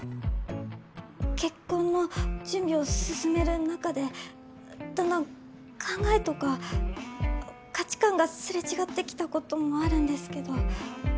結婚の準備を進める中でだんだん考えとか価値観がすれ違ってきたこともあるんですけど。